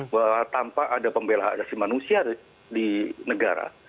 bahwa tanpa ada pembela hak asasi manusia di negara